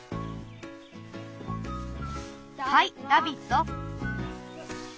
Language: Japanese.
はいダヴィッド。